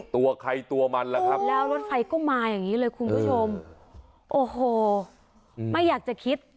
ตัวใครตัวมันล่ะครับแล้วรถไฟก็มาอย่างงี้เลยคุณผู้ชมโอ้โหไม่อยากจะคิด